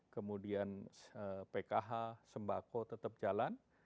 kemudian pkh sembako tetap jalan